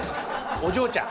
お嬢ちゃん。